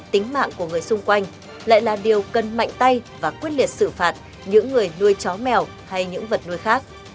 tính mạng của người xung quanh lại là điều cần mạnh tay và quyết liệt xử phạt những người nuôi chó mèo hay những vật nuôi khác